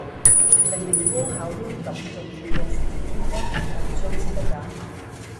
明明高考呢啲咁重要嘅事，應該好緊張先得㗎